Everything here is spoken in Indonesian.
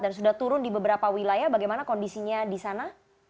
dan sudah turun di beberapa wilayah bagaimana kondisinya di sana